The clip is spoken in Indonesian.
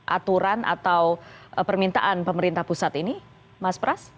aturan atau permintaan pemerintah pusat ini mas pras